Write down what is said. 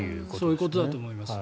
そういうことだと思います。